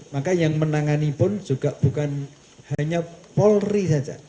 maka yang menangani pun juga bukan hanya polri saja